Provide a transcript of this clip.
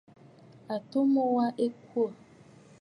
Àtu mu wa a kwô.